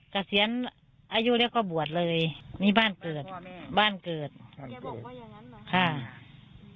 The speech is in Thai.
กระเสียร์อายุเรียกว่าบวชเลยนี่บ้านเกิดบ้านเกิดแกบอกว่าอย่างนั้นเหรอ